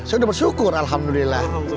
saya udah bersyukur alhamdulillah